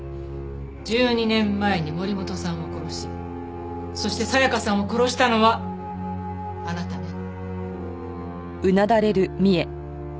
１２年前に森本さんを殺しそして紗香さんを殺したのはあなたね？